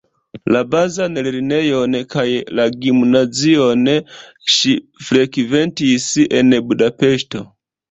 La bazan lernejon kaj la gimnazion ŝi frekventis en Budapeŝto.